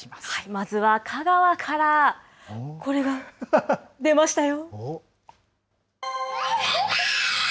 まずは香川から、これは？出ましたよ。